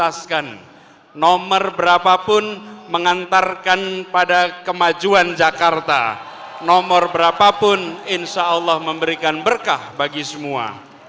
assalamualaikum warahmatullahi wabarakatuh